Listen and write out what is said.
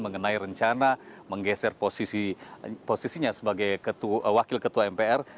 mengenai rencana menggeser posisinya sebagai wakil ketua mpr